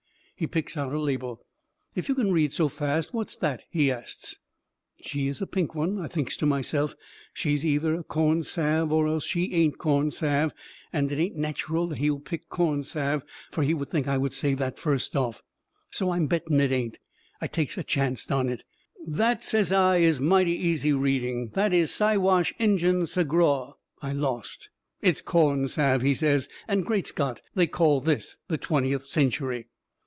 He picks out a label. "If you can read so fast, what's that?" he asts. She is a pink one. I thinks to myself; she either is corn salve or else she ain't corn salve. And it ain't natcheral he will pick corn salve, fur he would think I would say that first off. So I'm betting it ain't. I takes a chancet on it. "That," says I, "is mighty easy reading. That is Siwash Injun Sagraw." I lost. "It's corn salve," he says. "And Great Scott! They call this the twentieth century!"